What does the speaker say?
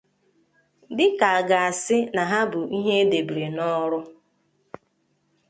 Dịka a ga a ga-asị na ha bụ ihe e debere n'ọrụ